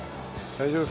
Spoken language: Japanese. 大丈夫。